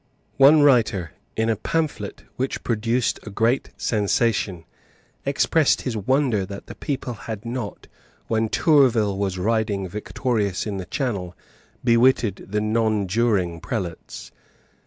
One writer, in a pamphlet which produced a great sensation, expressed his wonder that the people had not, when Tourville was riding victorious in the Channel, bewitted the nonjuring Prelates.